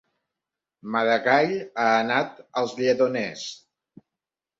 Maragall ha anat als Lledoners